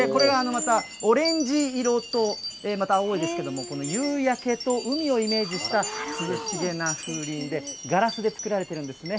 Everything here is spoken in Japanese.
また、オレンジ色と、また青ですけれども、夕焼けと海をイメージした、涼しげな風鈴で、ガラスで作られてるんですね。